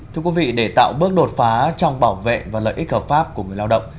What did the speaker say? thưa quý vị để tạo bước đột phá trong bảo vệ và lợi ích hợp pháp của người lao động